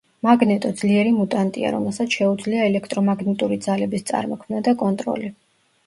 მაგნეტო ძლიერი მუტანტია, რომელსაც შეუძლია ელექტრომაგნიტური ძალების წარმოქმნა და კონტროლი.